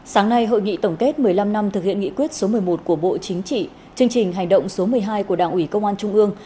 sáng nay hội nghị tổng kết một mươi năm năm thực hiện nghị quyết số một mươi một của bộ chính trị chương trình hành động số một mươi hai của đảng ủy công an trung ương